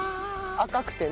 赤くてね。